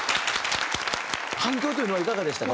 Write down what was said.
反響というのはいかがでしたか？